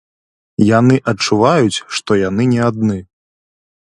Яны адчуваюць, што яны не адны.